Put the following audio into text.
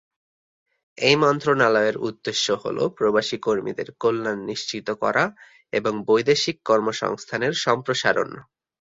এই মন্ত্রণালয়ের উদ্দেশ্য হলো প্রবাসী কর্মীদের কল্যাণ নিশ্চিত করা এবং বৈদেশিক কর্মসংস্থানের সম্প্রসারণ।